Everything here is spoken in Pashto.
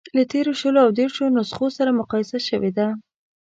له تېرو شلو او دېرشو نسخو سره مقایسه شوې ده.